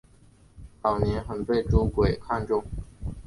早年很被朱圭看重。